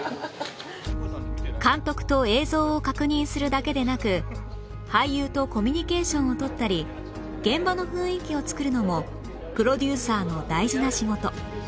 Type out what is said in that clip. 監督と映像を確認するだけでなく俳優とコミュニケーションをとったり現場の雰囲気を作るのもプロデューサーの大事な仕事